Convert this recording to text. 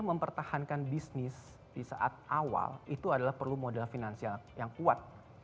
mempertahankan bisnis di saat awal itu adalah perlu modal finansial yang kuat